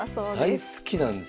大好きなんですね。